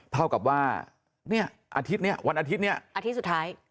เท่ากับว่าวันอาทิตย์นี้อาทิตย์สุดท้าย